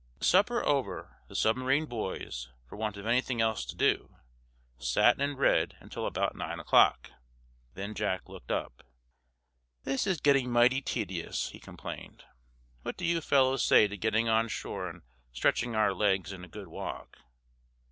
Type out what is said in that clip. Supper over, the submarine boys, for want of anything else to do, sat and read until about nine o'clock. Then Jack looked up. "This is getting mighty tedious," he complained. "What do you fellows say to getting on shore and stretching our legs in a good walk?"